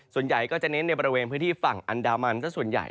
ส่วนใหญ่ก็จะเน้นในบริเวณพื้นที่ฝั่งอันดามันสักส่วนใหญ่